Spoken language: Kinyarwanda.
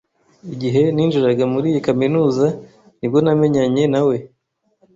Igihe ninjiraga muri iyi kaminuza ni bwo namenyanye na we.